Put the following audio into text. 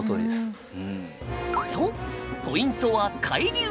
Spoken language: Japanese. そうポイントは海流。